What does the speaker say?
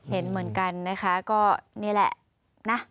เห็นเหมือนกันนะคะก็นี่แหละนะ